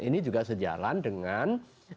ini juga sejalan dengan